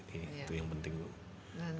itu yang penting bu